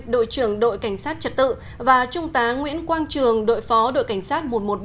đội trưởng đội cảnh sát trật tự và trung tá nguyễn quang trường đội phó đội cảnh sát một trăm một mươi ba